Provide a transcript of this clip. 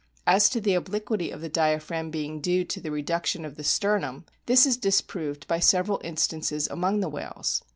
As to the obliquity of the diaphragm being due to the reduction of the sternum, this is disproved by several instances among the whales.